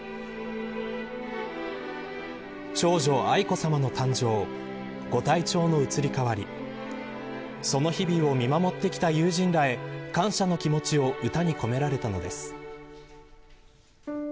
長女、愛子さまの誕生ご体調の移り変わりその日々を見守ってきた友人らへ感謝の気持ちを歌に込められたのです。